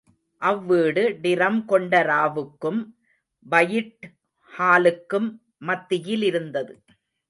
அவ்வீடு டிரம்கொண்டராவுக்கும் white ஹாலுக்கும் மத்தியிலிருந்தது.